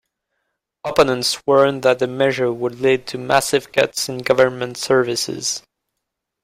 Opponents warned that the measure would lead to massive cuts in government services.